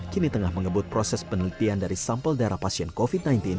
kini tengah mengebut proses penelitian dari sampel darah pasien covid sembilan belas